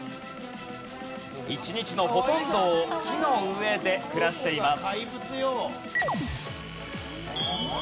一日のほとんどを木の上で暮らしています。